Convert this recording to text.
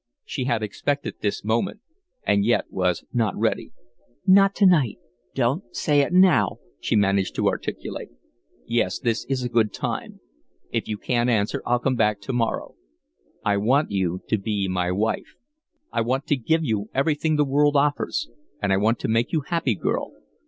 She had expected this moment, and yet was not ready. "Not to night don't say it now," she managed to articulate. "Yes, this is a good time. If you can't answer, I'll come back to morrow. I want you to be my wife. I want to give you everything the world offers, and I want to make you happy, girl.